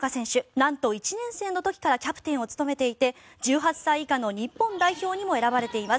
なんと１年生の時からキャプテンを務めていて１８歳以下の日本代表にも選ばれています。